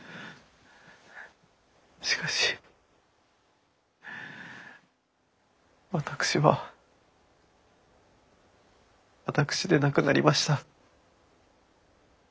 しかし私は私でなくなりました。